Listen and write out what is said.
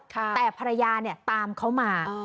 แต่ภรรยาตามเขามา